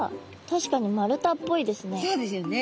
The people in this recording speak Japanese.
確かに丸太っぽいですね。